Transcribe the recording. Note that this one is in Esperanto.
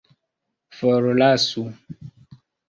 forlasu